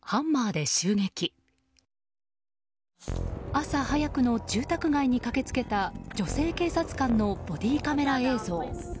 朝早くの住宅街に駆け付けた女性警察官のボディーカメラ映像。